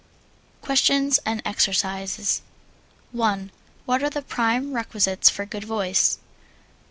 QUESTIONS AND EXERCISES 1. What are the prime requisites for good voice?